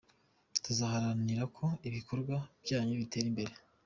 Tuzaharanira ko ibikorwa byanyu bitera imbere.